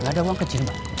nggak ada uang kecil pak